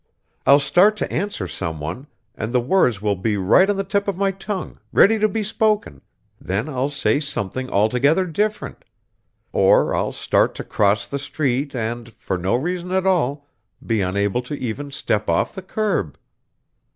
I'll start to answer someone and the words will be right on the tip of my tongue, ready to be spoken, then I'll say something altogether different. Or I'll start to cross the street and, for no reason at all, be unable to even step off the curb...."